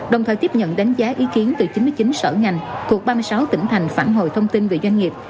đồng thời tiếp nhận đánh giá ý kiến từ chín mươi chín sở ngành thuộc ba mươi sáu tỉnh thành phản hồi thông tin về doanh nghiệp